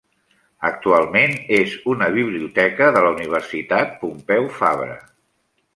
Actualment és una biblioteca de la Universitat Pompeu Fabra.